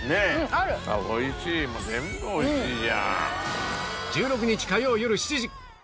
あっおいしいもう全部おいしいじゃん！